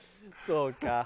そうか。